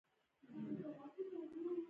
وزې د یو والي سمبول دي